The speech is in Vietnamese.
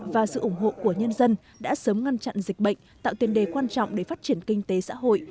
và sự ủng hộ của nhân dân đã sớm ngăn chặn dịch bệnh tạo tiền đề quan trọng để phát triển kinh tế xã hội